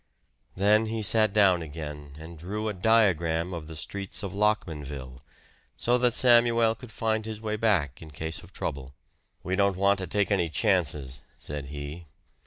Then he sat down again and drew a diagram of the streets of Lockmanville, so that Samuel could find his way back in case of trouble. "We don't want to take any chances," said he.